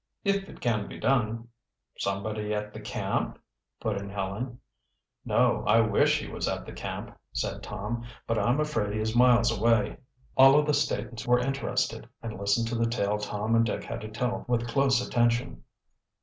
"If it can be done." "Somebody at the camp?" put in Helen. "No, I wish he was at the camp," said Tom. "But I'm afraid he is miles away." All of the Statons were interested and listened to the tale Tom and Dick had to tell with close attention.